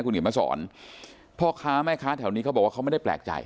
คุณเห็นมาสอนพ่อค้าแม่ค้าแถวนี้เขาบอกว่าเขาไม่ได้แปลกใจ